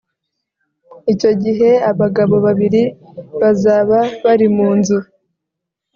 Icyo gihe abagabo babiri bazaba bari mu nzu